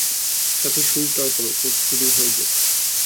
সাথে সুরটাও করো, Coke studio হয়ে যাক?